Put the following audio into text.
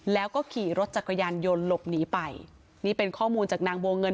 แล้วก็ขี่รถจักรยานยนต์หลบหนีไปนี่เป็นข้อมูลจากนางบัวเงิน